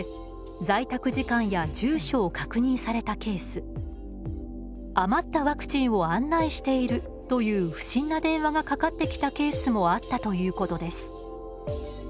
このほか自治体の職員をかたって「余ったワクチンを案内している」という不審な電話がかかってきたケースもあったということです。